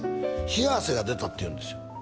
冷や汗が出たっていうんですよ